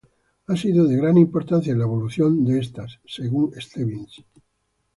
Ha sido de gran importancia en la evolución de estas según Stebbins.